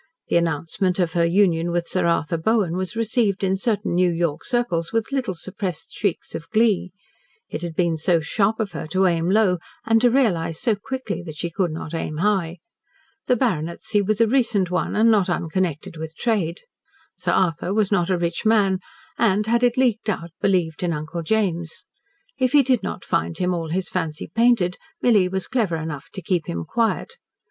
The announcement of her union with Sir Arthur Bowen was received in certain New York circles with little suppressed shrieks of glee. It had been so sharp of her to aim low and to realise so quickly that she could not aim high. The baronetcy was a recent one, and not unconnected with trade. Sir Arthur was not a rich man, and, had it leaked out, believed in Uncle James. If he did not find him all his fancy painted, Milly was clever enough to keep him quiet.